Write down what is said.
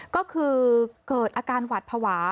ก็คือเกิดอาการหวัดภาวะ